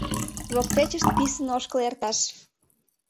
Воктечышт писын ошкыл эрташ.